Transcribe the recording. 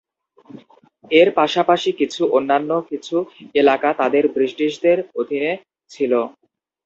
এর পাশাপাশি কিছু অন্যান্য কিছু এলাকা তাদের ব্রিটিশদের অধিনে ছিল।